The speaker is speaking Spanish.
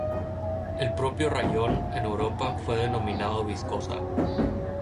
El propio rayón, en Europa, fue denominado viscosa.